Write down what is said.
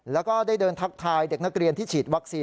แล้วก็ได้เดินทักทายเด็กนักเรียนที่ฉีดวัคซีน